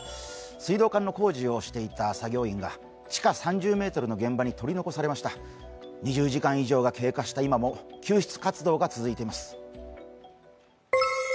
水道管の工事をしていた作業員が地下３０ｍの現場に取り残されました２０時間以上が経過した今も救出活動が続いています。